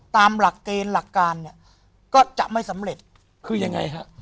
ตามหลักเกณฑ์หลักการเนี่ยก็จะไม่สำเร็จคือยังไงฮะ